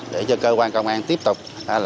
để cho cơ quan công an tiếp tục